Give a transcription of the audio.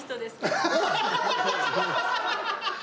アハハハ！